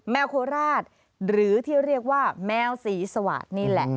โคราชหรือที่เรียกว่าแมวสีสวาดนี่แหละ